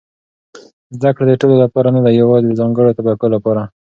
زده کړه د ټولو لپاره ده، نه یوازې د ځانګړو طبقو لپاره.